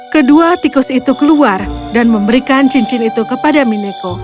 kedua tikus itu keluar dan memberikan cincin itu kepada mineko